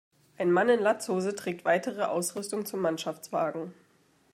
Ein Mann in Latzhose trägt weitere Ausrüstung zum Mannschaftswagen.